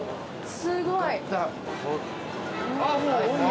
◆すごいな。